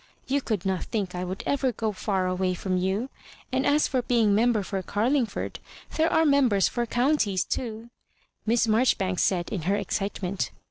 "You could not think I would ever go fair away from you. And as for being Member for Garlingford, there are Mem bers for counties too," Miss Marjoribanks said in her excitement.